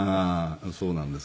そうなんです。